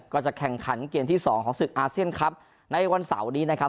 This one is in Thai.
ก็จะแข่งขันเกมที่สองของศึกอาเซียนครับในวันเสาร์นี้นะครับ